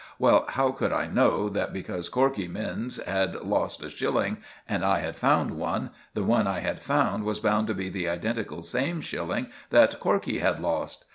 Well, how could I know that because Corkey mins. had lost a shilling and I had found one, the one I had found was bound to be the identical same shilling that Corkey had lost?